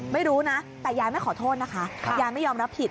ไม่รู้นะแต่ยายไม่ขอโทษนะคะยายไม่ยอมรับผิด